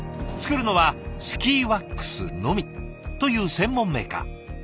作るのはスキーワックスのみという専門メーカー。